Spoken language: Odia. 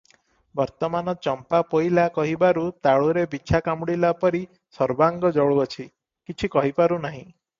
ବର୍ତ୍ତମାନ ଚମ୍ପା ପୋଇଲା' କହିବାରୁ ତାଳୁରେ ବିଛା କାମୁଡ଼ିଲାପରି ସର୍ବାଙ୍ଗ ଜଳୁଅଛି, କିଛି କହିପାରୁ ନାହିଁ ।